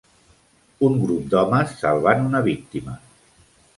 Un grup d'homes salvant una víctima.